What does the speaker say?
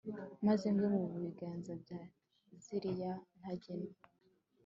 maze ngwe mu biganza bya ziriya ntagenywe